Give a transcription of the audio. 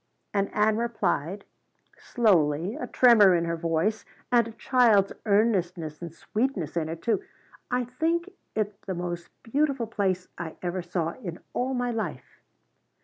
And Ann replied, slowly, a tremor in her voice, and a child's earnestness and sweetness in it too: "I think it the most beautiful place I ever saw in all my life."